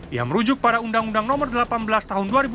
ia merujuk pada undang undang nomor delapan belas tahun dua ribu dua